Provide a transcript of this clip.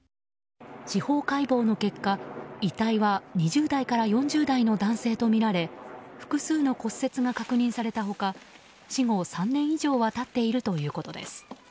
司法解剖の結果、遺体は２０代から４０代の男性とみられ複数の骨折が確認された他死後３年以上は経っているということです。